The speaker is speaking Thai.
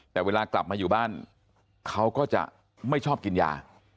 แต่เวลากลับมาอยู่บ้านเขาก็จะไม่ชอบกินยา